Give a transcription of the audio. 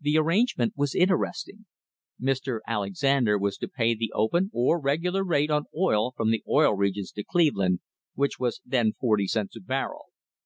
The arrangement was interesting. Mr. Alexander was to pay the open, or regular, rate on oil from the Oil Regions to Cleveland, which was then forty cents a barrel.